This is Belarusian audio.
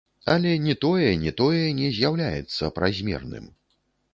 Але ні тое, ні тое не з'яўляецца празмерным.